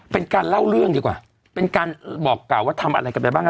เป็นการเล่าเรื่องดีกว่าเป็นการบอกกล่าวว่าทำอะไรกันไปบ้างอ่ะ